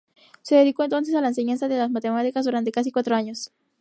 Se dedicó entonces a la enseñanza de las matemáticas durante casi cuatro años.